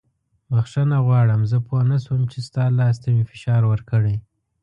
بښنه غواړم زه پوه نه شوم چې ستا لاس ته مې فشار ورکړی.